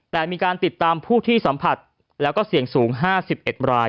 แต่มีการติดตามผู้ที่สัมผัสแล้วก็เสี่ยงสูง๕๑ราย